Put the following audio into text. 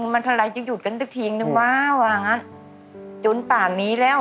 มันเท่าไรจะหยุดกันจริงจริงหนึ่งว้าวว่างั้นจนตามนี้แล้ว